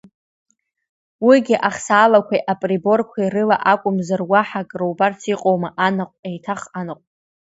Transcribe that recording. Уигьы ахсаалақәеи априборқәеи рыла акәымзар уаҳа акрубарц иҟоума анаҟә, еиҭах анаҟә.